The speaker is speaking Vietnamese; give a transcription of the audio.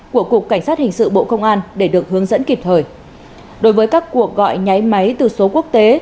sáu mươi chín hai trăm ba mươi bốn tám nghìn năm trăm sáu mươi của cục cảnh sát hình sự bộ công an để được hướng dẫn kịp thời đối với các cuộc gọi nháy máy từ số quốc tế